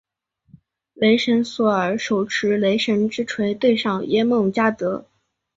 雷神索尔手持雷神之锤对上耶梦加得。